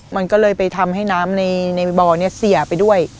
มันก็เลยไปทำให้น้ำในบ่อนี้เสียไปด้วย